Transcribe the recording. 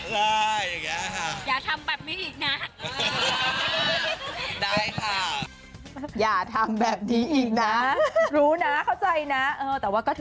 หนูไม่ได้แย่งอะพี่จันทรา